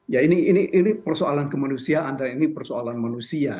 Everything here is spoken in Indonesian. ya ini persoalan kemanusiaan dan ini persoalan manusia